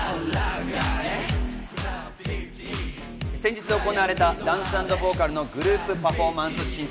先日行われたダンス＆ボーカルグループのグループパフォーマンス審査。